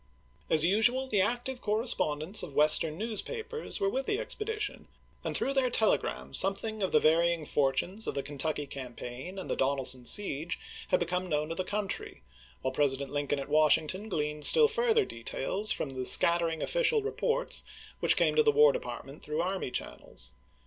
As usual, the active correspondents of Western newspapers were with the expedition, and through their telegrams something of the varying fortunes of the Kentucky campaign and the Donelson siege had become known to the country, while President Lincoln at Washington gleaned still further details from the scattering official reports which came to the War Department through army channels.